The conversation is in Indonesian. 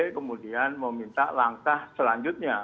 kemudian meminta langkah selanjutnya